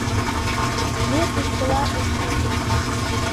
Ме тушкыла ошкылына.